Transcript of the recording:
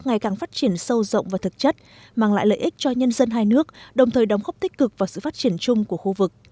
ngày càng phát triển sâu rộng và thực chất mang lại lợi ích cho nhân dân hai nước đồng thời đóng góp tích cực vào sự phát triển chung của khu vực